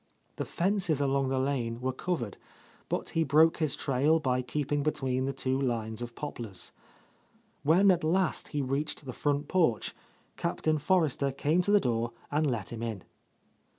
The fences along the lane were covered, but he broke his trail by keeping be tween the two lines of poplars. When at last he reached the front porch. Captain Forrester came to the door and let him in.